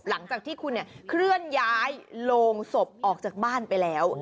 หลังจากที่คุณเคลื่อนย้ายโรงศพออกจากบ้านไปแล้ว